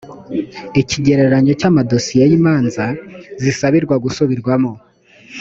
ikigereranyo cy amadosiye y imanza zisabirwa gusubirwamo